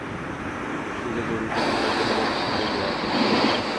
সুজা জড়িত স্বরে কহিলেন, ভারী বেআদব!